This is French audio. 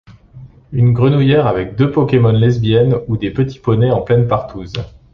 Une grenouillère avec deux pokemon lesbiennes ou des petits poneys en pleine partouze.